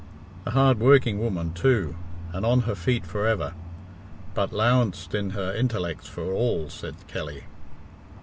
"A hard working woman, too, and on her feet for ever; but 'lowanced in her intellecks, for all," said Kelly.